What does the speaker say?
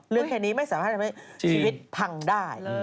แค่นี้ไม่สามารถทำให้ชีวิตพังได้